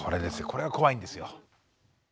これが怖いんですよ。